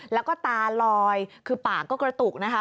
แล้วก็ตาลอยคือปากก็กระตุกนะคะ